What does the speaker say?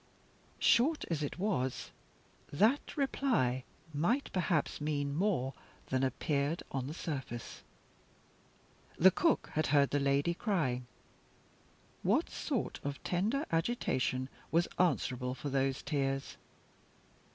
Short as it was, that reply might perhaps mean more than appeared on the surface. The cook had heard the lady crying. What sort of tender agitation was answerable for those tears?